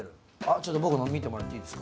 ちょっと僕の見てもらっていいですか？